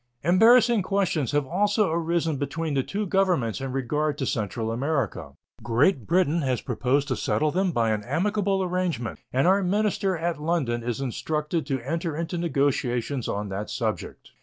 Embarrassing questions have also arisen between the two Governments in regard to Central America. Great Britain has proposed to settle them by an amicable arrangement, and our minister at London is instructed to enter into negotiations on that subject.